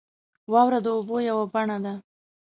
• واوره د اوبو یوه بڼه ده.